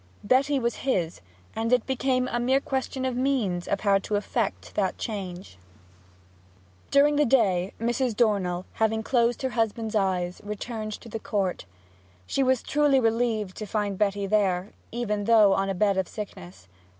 Betty was his, and it became a mere question of means how to effect that change. During the day Mrs. Dornell, having closed her husband's eyes, returned to the Court. She was truly relieved to find Betty there, even though on a bed of sickness.